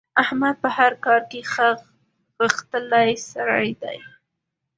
احمد په هر کار کې ښه غښتلی سړی دی.